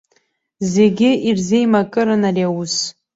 Зегьы ирзеимакыран ари аус.